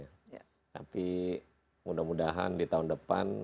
tapi mudah mudahan di tahun depan